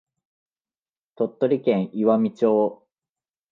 鳥取県岩美町